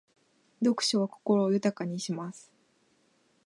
読書は心を豊かにします。